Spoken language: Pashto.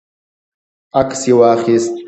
عکس یې واخیست.